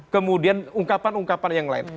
kemudian ungkapan ungkapan yang lain